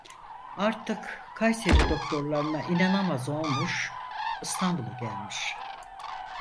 Artık Kayseri doktorlarına inanamaz olmuş, İstanbul'a gelmiş.